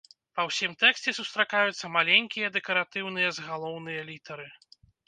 Па ўсім тэксце сустракаюцца маленькія дэкаратыўныя загалоўныя літары.